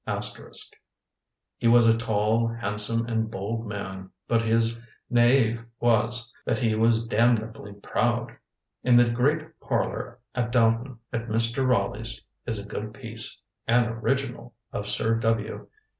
*] "He was a tall, handsome, and bold man; but his næve was, that he was damnably proud.... In the great parlour at Downton, at Mr. Ralegh's, is a good piece (an originall) of Sir W.